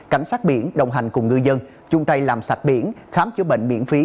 cảnh sát biển đồng hành cùng ngư dân chung tay làm sạch biển khám chữa bệnh miễn phí